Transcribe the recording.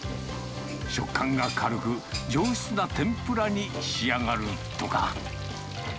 食感が軽く、上質な天ぷらに仕上がるとか。